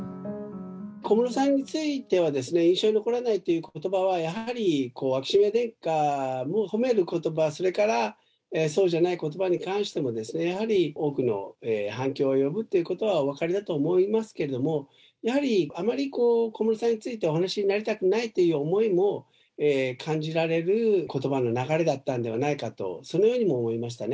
小室さんについては、印象に残らないということばは、やはり秋篠宮殿下も褒めることば、それから、そうじゃないことばに関しても、やはり、多くの反響を呼ぶということはお分かりだと思いますけれども、やはり、あまり小室さんについてお話になりたくないという思いも感じられることばの流れだったんではないかと、そのようにも思いましたね。